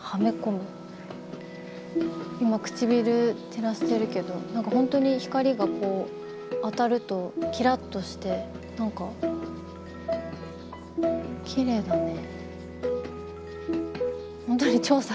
今唇照らしてるけど何か本当に光が当たるときらっとして何かきれいだね。